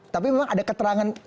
tapi memang ada keterangan